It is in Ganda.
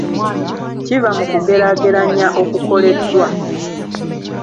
Kiva mu kugeraageranya okukoleddwa.